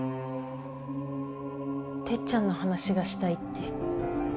てっちゃんの話がしたいって。